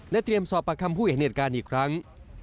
และเตรียมสอบประคัมผู้เอกเนียดการอีกครั้ง